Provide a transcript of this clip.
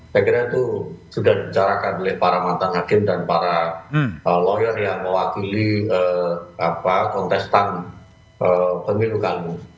saya kira itu sudah dicarakan oleh para mantan hakim dan para lawyer yang mewakili kontestan pemilu kali